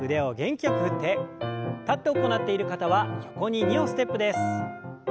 立って行っている方は横に２歩ステップです。